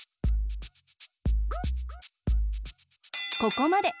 ここまで！